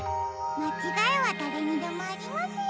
まちがいはだれにでもありますよ。